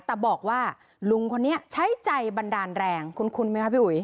แต่บอกว่าลุงคนนี้ใช้ใจบันดาลแรงคุ้นไหมคะพี่อุ๋ย